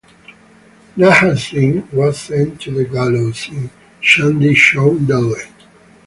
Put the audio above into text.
Nahar Singh was sent to the gallows in Chandni Chowk, Delhi.